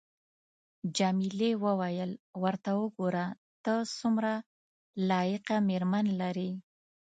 جميلې وويل:: ورته وګوره، ته څومره لایقه مېرمن لرې.